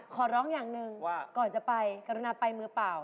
ขอร้องอย่างหนึ่งว่าก่อนจะไปกรุณาไปมือเปล่า